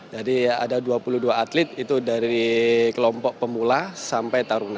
jadi ada dua puluh dua atlet itu dari kelompok pemula sampai taruna